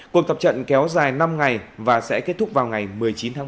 cuộc tập trận kéo dài năm ngày và sẽ kết thúc vào ngày một mươi chín tháng một